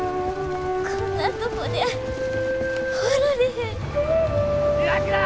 こんなとこで終わられへん。